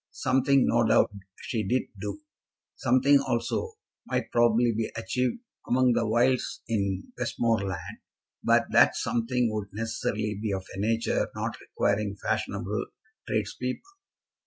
Something no doubt she did do. Something also might probably be achieved among the wilds in Westmoreland, but that something would necessarily be of a nature not requiring fashionable tradespeople.